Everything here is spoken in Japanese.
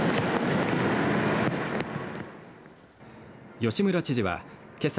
吉村知事はけさ